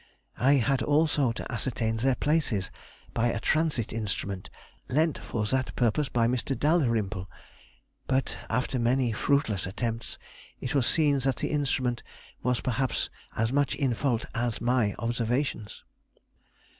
I had also to ascertain their places by a transit instrument lent for that purpose by Mr. Dalrymple, but after many fruitless attempts it was seen that the instrument was perhaps as much in fault as my observations.